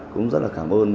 cũng rất là cảm ơn